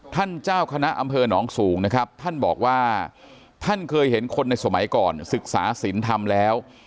เจ้าคณะอำเภอหนองสูงนะครับท่านบอกว่าท่านเคยเห็นคนในสมัยก่อนศึกษาศิลป์ธรรมแล้ว